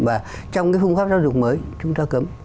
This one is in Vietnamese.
và trong cái phương pháp giáo dục mới chúng ta cấm